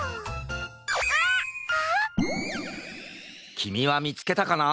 きみはみつけたかな！？